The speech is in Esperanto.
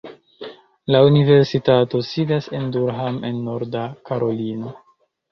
La universitato sidas en Durham en Norda Karolino.